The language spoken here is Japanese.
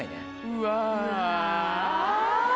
うわ。